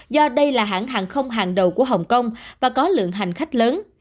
do đây là hãng hàng không hàng đầu của hồng kông và có lượng hành khách lớn